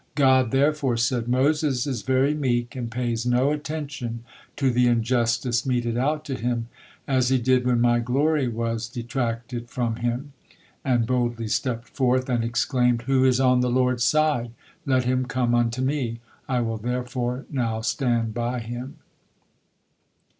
God therefore said: "Moses is very meek and pays no attention to the injustice meted out to him, as he did when My glory was detracted from, and boldly stepped forth and exclaimed, 'Who is on the Lord's side? Let him come unto me.' I will therefore now stand by him."